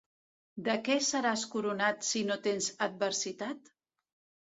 De què seràs coronat si no tens adversitat?